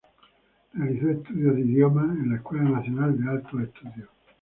Realizó estudios de idiomas en la Escuela Nacional de Altos Estudios.